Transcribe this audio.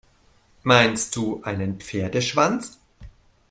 Meinst du einen Pferdeschwanz?